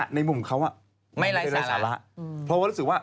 ไม่ให้ในมุมเขาไร้สาระ